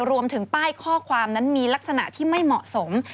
รวมถึงป้ายข้อความนั้นมีลักษณะที่ไม่เหมาะสม